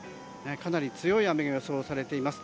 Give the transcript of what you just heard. かなり強い雨が予想されています。